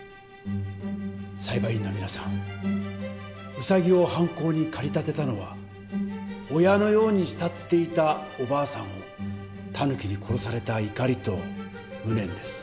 裁判員の皆さんウサギを犯行に駆り立てたのは親のように慕っていたおばあさんをタヌキに殺された怒りと無念です。